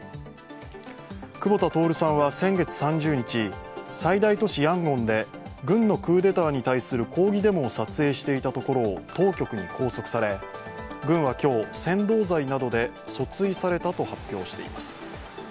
久保田徹さんは先月３０日最大都市ヤンゴンで軍のクーデターに対する抗議デモを撮影していたところを軍は今日、扇動罪などで訴追されたと発表しています。